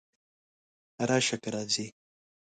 راشه! که راځې!